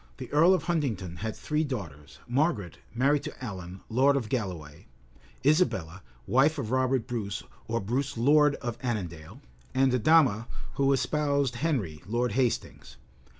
The earl of Huntingdon had three daughters; Margaret, married to Alan, lord of Galloway, Isabella, wife of Robert Brus or Bruce lord of Annandale, and Adama, who espoused Henry, Lord Hastings.